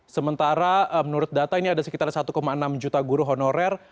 sementara menurut data ini ada sekitar satu enam juta guru honorer